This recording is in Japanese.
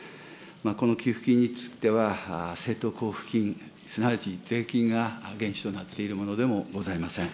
この寄付金については、政党交付金、すなわち税金が原資となっているものでもございません。